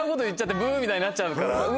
ブみたいになっちゃうから。